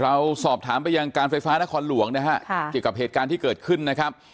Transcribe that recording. เราสอบถามไปยังการไฟฟ้านครหลวงนะฮะเกี่ยวกับเหตุการณ์ที่เกิดขึ้นนะครับ